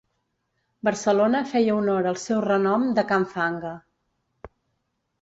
Barcelona feia honor al seu renom de can Fanga.